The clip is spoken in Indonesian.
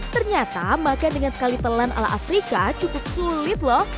ternyata makan dengan sekali telan ala afrika cukup sulit loh